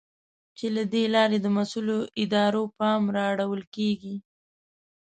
چې له دې لارې د مسؤلو ادارو پام را اړول کېږي.